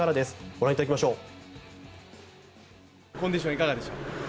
ご覧いただきましょう。